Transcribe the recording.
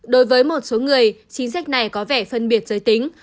đối với một số người chính sách này có vẻ phân biệt giới tính